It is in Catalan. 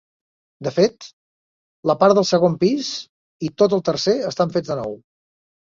De fet, la part del segon pis i tot el tercer estan fets de nou.